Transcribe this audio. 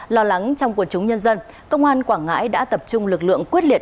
lo lắng trong quần chúng nhân dân công an quảng ngãi đã tập trung lực lượng quyết liệt